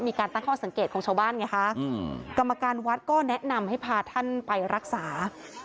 มีการตั้งข้อสังเกตของชาวบ้านไงค่ะ